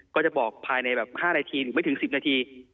ก็จะบอกภายใน๕นาทีถึงไม่ถึง๑๐นาที